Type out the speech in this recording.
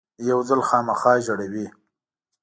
یو ځل خامخا ژړوي .